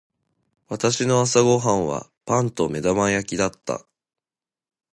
私の朝ご飯はパンと目玉焼きだった。